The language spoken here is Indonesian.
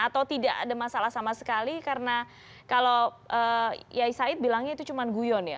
atau tidak ada masalah sama sekali karena kalau yai said bilangnya itu cuma guyon ya